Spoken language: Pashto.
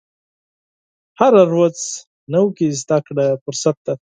هره ورځ نوې زده کړه فرصت ده.